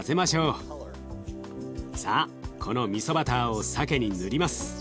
さあこのみそバターをさけに塗ります。